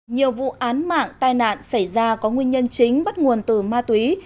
nhiều vụ án mạng tai nạn xảy ra có nguyên nhân chính bắt nguồn từ ma túy